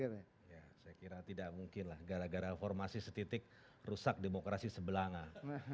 saya kira tidak mungkin lah gara gara formasi setitik rusak demokrasi sebelangah